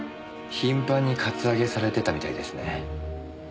頻繁にカツアゲされてたみたいですね。